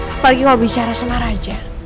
apalagi mau bicara sama raja